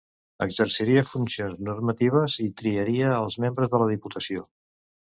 Exerciria funcions normatives i triaria als membres de la Diputació.